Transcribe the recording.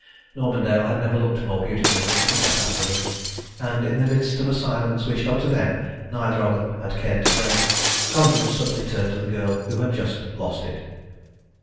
Normandale had never looked more beautiful than it did that afternoon, and in the midst of a silence which up to then neither of them had cared to break, Collingwood suddenly turned to the girl who had just lost it.